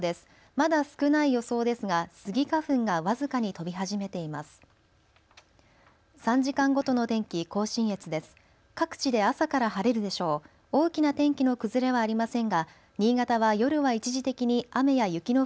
まだ少ない予想ですがスギ花粉が僅かに飛び始めています。